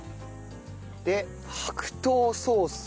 で白桃ソース